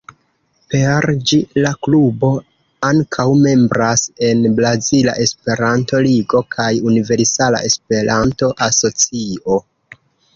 Per ĝi la klubo ankaŭ membras en Brazila Esperanto-Ligo kaj Universala Esperanto-Asocio.